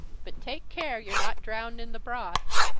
but take care you're not drowned in the broth."